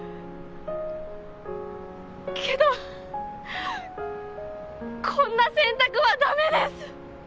けどこんな選択はダメです！